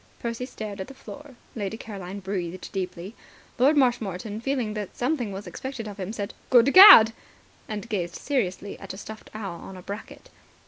Percy stared at the floor. Lady Caroline breathed deeply. Lord Marshmoreton, feeling that something was expected of him, said "Good Gad!" and gazed seriously at a stuffed owl on a bracket.